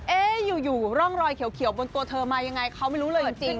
อยู่ร่องรอยเขียวบนตัวเธอมายังไงเขาไม่รู้เลยจริง